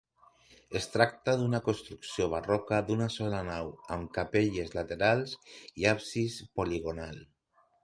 Es tracta d'una construcció barroca d'una sola nau, amb capelles laterals i absis poligonal.